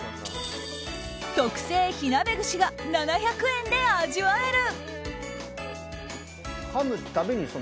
特製火鍋串が７００円で味わえる。